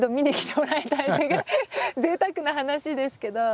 ぜいたくな話ですけど。